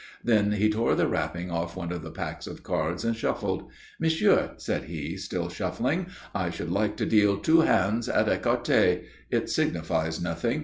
Then he tore the wrapping off one of the packs of cards and shuffled. "Monsieur," said he, still shuffling. "I should like to deal two hands at ecarté. It signifies nothing.